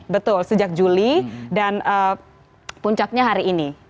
betul sejak juli dan puncaknya hari ini